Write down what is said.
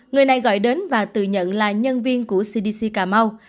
người này gọi đến và tự nhận là nhân viên của cdc cà mau